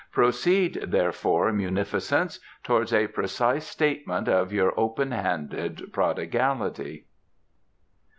Proceed, therefore, munificence, towards a precise statement of your open handed prodigality."